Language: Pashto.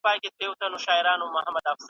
بزګران د اوبو سپما کوي.